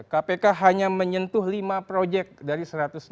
kpk hanya menyentuh lima proyek dari satu ratus lima puluh